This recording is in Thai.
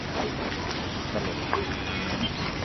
สลด